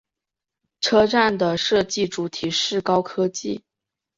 车站的设计主题是高科技。